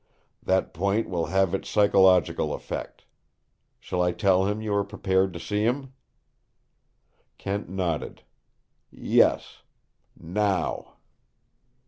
That point will have its psychological effect. Shall I tell him you are prepared to see him?" Kent nodded. "Yes. Now."